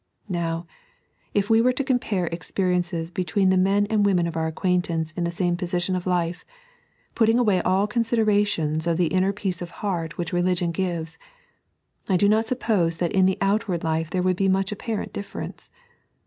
Now, if we were to compare ezperienoee between the men and women of our acquaintance in the same position of life, putting away all considerations of the inner peace of heart which religion gives, I do not suppose that in the outward lifft there would be much apparent difference.